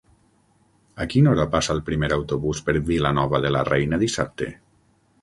A quina hora passa el primer autobús per Vilanova de la Reina dissabte?